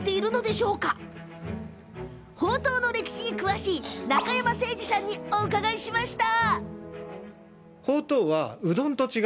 ほうとうの歴史に詳しい中山誠二さんにお伺いしました。